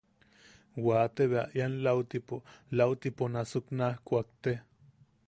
Waate bea ian lautipo... lautipo nasuk naj kuakte.